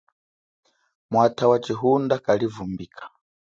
Mwata wachihunda kalivumbika.